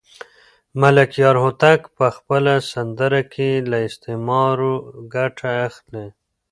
ملکیار هوتک په خپله سندره کې له استعارو ګټه اخلي.